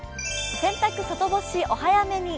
洗濯外干しお早めに。